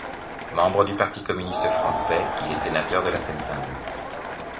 Membre du Parti communiste français, il est sénateur de la Seine-Saint-Denis.